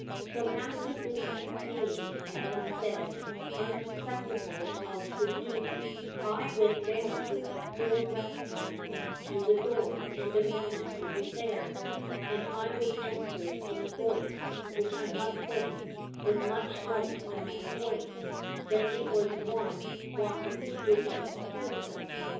So, Master Bibbet being, as I said, unsusceptible of his duty, I went down with my poor rapier to the door, and demanded who was there; and I was answered in a voice, which, I must say, was much like another voice, that it was one wanting Major General Harrison.